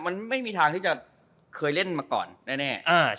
มันไม่มีทางที่จะเคยเล่นมาก่อนแน่